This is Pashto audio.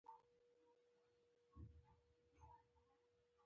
د لاندې لینک په کېکاږلو سره کولای شئ ګروپ ته داخل شئ